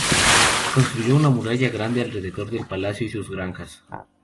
Construyó una muralla grande alrededor del palacio y sus granjas.